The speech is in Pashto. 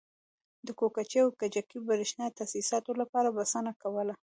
د کوکچې او کجکي برېښنایي تاسیساتو لپاره بسنه کوله.